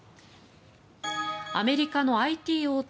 アメリカのＩＴ大手